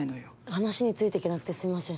話についてけなくてすいません。